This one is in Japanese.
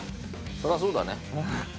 そりゃそうだね。